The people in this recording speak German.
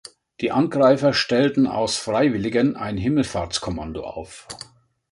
Die Angreifer stellten aus Freiwilligen ein Himmelfahrtskommando auf.